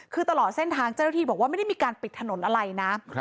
คือตลอดเส้นทางเจ้าหน้าที่บอกว่าไม่ได้มีการปิดถนนอะไรนะ